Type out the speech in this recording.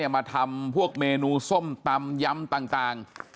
มาทำพวกเมนูส้มตำยำต่าง